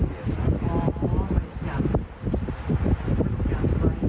ต่อไปจับทำไม